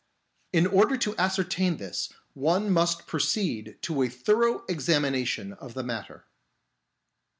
In order to ascertain this one must proceed to a thorough examination of the matter."